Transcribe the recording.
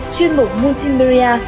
chuyên mục multimedia